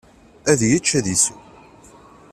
Ad yečč, ad isew.